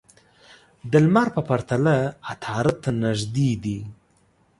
د لمر په پرتله عطارد ته نژدې دي.